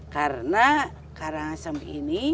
karena karangasem ini